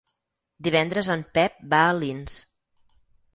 Divendres en Pep va a Alins.